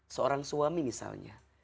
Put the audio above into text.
seorang suami misalnya